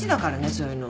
そういうの。